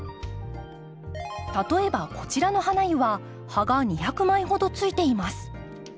例えばこちらのハナユは葉が２００枚ほどついています。